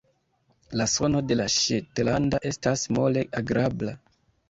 La sono de la ŝetlanda estas mole agrabla.